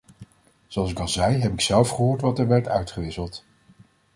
Zoals ik al zei heb ik zelf gehoord wat er werd uitgewisseld.